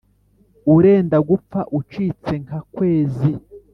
urenda gupfa ucitse nka kwezi.